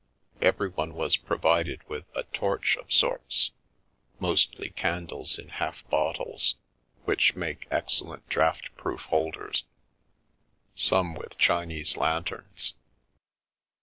Everyone was provided with a " torch " of sorts, mostly candles in half bottles, which 145 The Milky Way make excellent draught proof holders, some with Chinese lanterns.